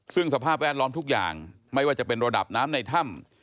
ซึ่งสภาพแวดล้อมทุกอย่างไม่ว่าจะเป็นระดับน้ำในถ้ำ